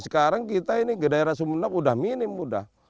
sekarang kita ini ke daerah sumenok udah minim udah